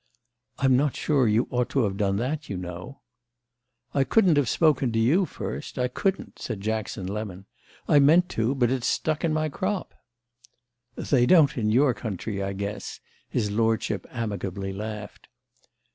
"I'm not sure you ought to have done that, you know." "I couldn't have spoken to you first—I couldn't," said Jackson Lemon. "I meant to; but it stuck in my crop." "They don't in your country, I guess," his lordship amicably laughed.